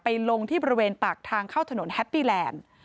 ลงที่บริเวณปากทางเข้าถนนแฮปปี้แลนด์